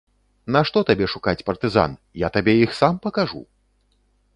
Нашто табе шукаць партызан, я табе іх сам пакажу!